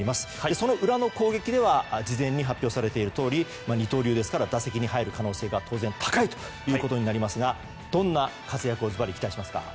その裏の攻撃では事前に発表されているとおり二刀流ですから打席に入る可能性が当然高いことになりますがどんな活躍を期待されますか。